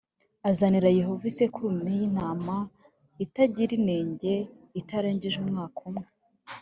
Azazanire Yehova isekurume y intama itagira inenge itarengeje umwaka umwe